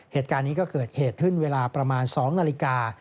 เหตุการณ์นี้ก็เกิดเหตุขึ้นเวลาประมาณ๒นาฬิกา